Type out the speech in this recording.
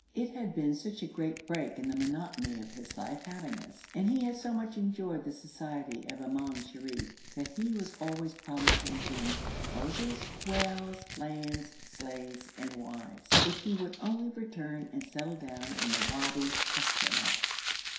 It had been such a great break in the monotony of his life having us, and he had so much enjoyed the society of Imam Sharif that he was always promising him houses, wells, lands, slaves, and wives if he would only return and settle down in the Wadi Hadhramout.